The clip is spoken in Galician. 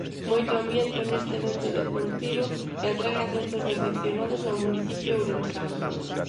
Moito ambiente neste evento deportivo que atrae a centros de afeccionados ao municipio ourensán.